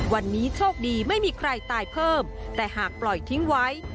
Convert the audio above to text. วันนี้โชคดีไม่มีใครตายเพิ่มแต่หากปล่อยทิ้งไว้